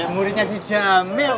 muridnya si jamil kok